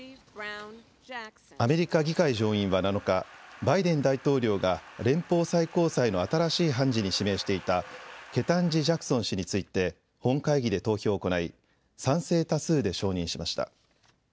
アメリカ議会上院は７日、バイデン大統領が連邦最高裁の新しい判事に指名していたケタンジ・ジャクソン氏について本会議で投票を行い賛成多数で承認しました。